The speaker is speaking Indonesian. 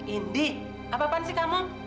indi apa apaan sih kamu